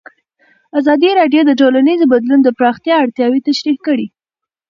ازادي راډیو د ټولنیز بدلون د پراختیا اړتیاوې تشریح کړي.